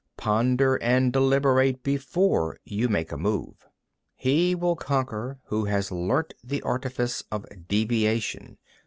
21. Ponder and deliberate before you make a move. 22. He will conquer who has learnt the artifice of deviation.